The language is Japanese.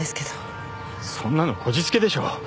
そんなのこじつけでしょう。